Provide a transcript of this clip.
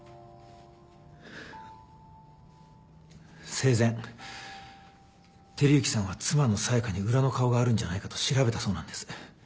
生前輝幸さんは妻の紗耶香に裏の顔があるんじゃないかと調べたそうなんです。